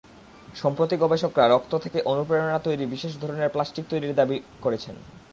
সম্প্রতি গবেষকরা রক্ত থেকে অনুপ্রেরণা তৈরি বিশেষ ধরনের প্লাস্টিক তৈরির দাবি করেছেন।